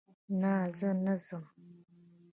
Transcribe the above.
نه، زه نه ځم